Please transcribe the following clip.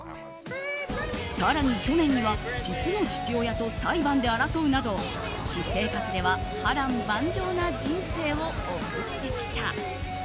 更に去年には実の父親と裁判で争うなど私生活では波瀾万丈な人生を送ってきた。